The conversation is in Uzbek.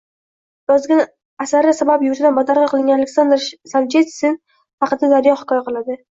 Yozgan asari sabab yurtidan badarg‘a qilingan Aleksandr Soljenitsin haqida Daryo hikoya qiladi